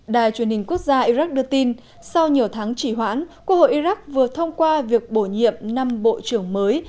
đài truyền hình quốc gia iraq đưa tin sau nhiều tháng chỉ hoãn quốc hội iraq vừa thông qua việc bổ nhiệm năm bộ trưởng mới